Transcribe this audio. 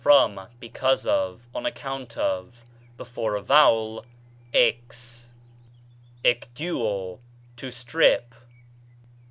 from, because of, on account of; before a vowel, éé. ἐκδύω, to strip.